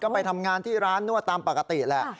ก็ไปทำงานที่ร้านนวดตามปกติแหละ